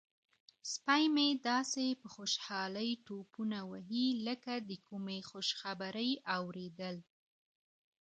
سپی مې داسې په خوشحالۍ ټوپونه وهي لکه د کومې خوشخبرۍ اوریدل.